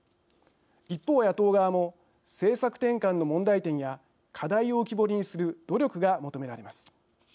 一方、野党側も政策転換の問題点や課題を浮き彫りにする努力が求められます。